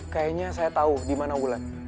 kayanya saya tau dimana bulan